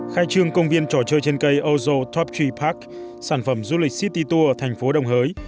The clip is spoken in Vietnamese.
khai trương công viên trò chơi trên cây ozo top tree park sản phẩm du lịch city tour thành phố đồng hới